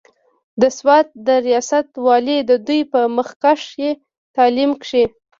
د سوات د رياست والي د دوي پۀ مخکښې تعليم کښې